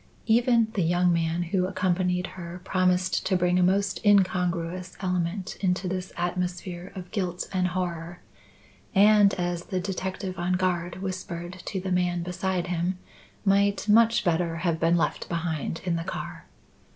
Even the young man who accompanied her promised to bring a most incongruous element into this atmosphere of guilt and horror, and, as the detective on guard whispered to the man beside him, might much better have been left behind in the car.